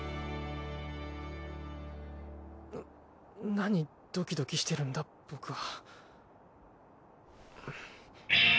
なにドキドキしてるんだ僕は